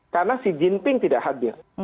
karena si jinping tidak hadir